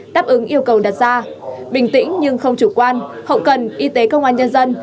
đáp ứng yêu cầu đặt ra bình tĩnh nhưng không chủ quan hậu cần y tế công an nhân dân